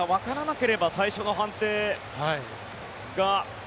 ただ、わからなければ最初の判定が。